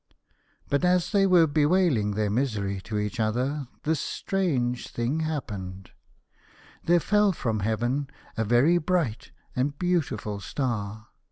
But as they were bewailing their misery to each other this strange thing happened. There fell from heaven a very bright and beautiful star.